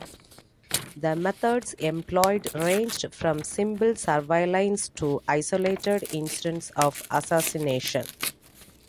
The methods employed ranged from simple surveillance to isolated incidents of assassination.